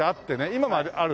今もある？